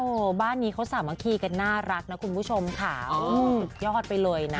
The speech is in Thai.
โอ้โหบ้านนี้เขาสามัคคีกันน่ารักนะคุณผู้ชมค่ะสุดยอดไปเลยนะ